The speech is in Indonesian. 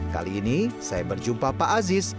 kali ini saya berjumpa pak aziz